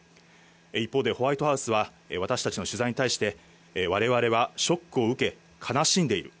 一方で、ホワイトハウスは私たちの取材に対して、われわれはショックを受け、悲しんでいる。